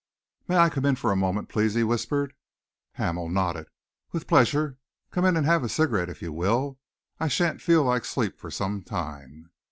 "May I come in for a moment, please?" he whispered. Hamel nodded. "With pleasure! Come in and have a cigarette if you will. I shan't feel like sleep for some time."